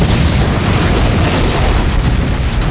mereka berbaring di sati sati